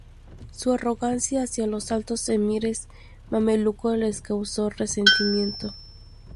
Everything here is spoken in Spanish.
Su arrogancia hacia los altos emires mamelucos les causó resentimiento.